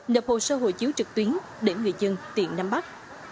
nập hồ sơ hộ chiếu trực tuyến để người dân tiện nắm bắt